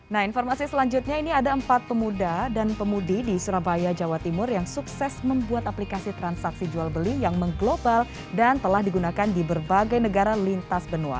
nah informasi selanjutnya ini ada empat pemuda dan pemudi di surabaya jawa timur yang sukses membuat aplikasi transaksi jual beli yang mengglobal dan telah digunakan di berbagai negara lintas benua